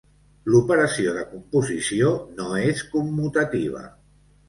L'operació de composició no és commutativa.